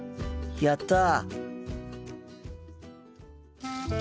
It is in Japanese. やった！